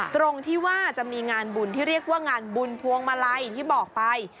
ตรงที่ว่าจะมีงานบุญที่เรียกว่างานบุญพวงมาลัยที่บอกไป